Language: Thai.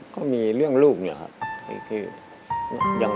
ก็มีเรื่องลูกนี่แหละค่ะ